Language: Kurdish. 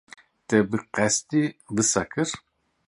Te bi qesdî wisa kir?